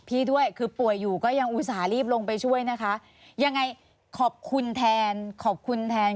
ด้วยคือป่วยอยู่ก็ยังอุตส่าห์รีบลงไปช่วยนะคะยังไงขอบคุณแทนขอบคุณแทน